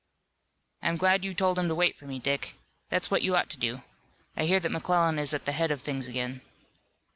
"I'm glad you told 'em to wait for me, Dick. That's what you ought to do. I hear that McClellan is at the head of things again."